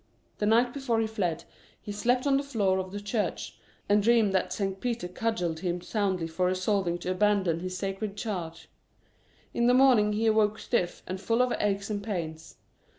The night before he fled he slept on the floor of the church, and dreamed that St. Peter cudgelled him soundly for resolving to abandon his sacred charge. In the morning he awoke stiff and full of aches and pains.